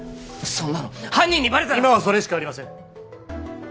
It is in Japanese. そんなの犯人にバレたら今はそれしかありません